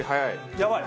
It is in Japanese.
やばい！